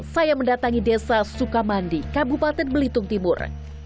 saya mendatangi desa sukamandi kabupaten belitung timur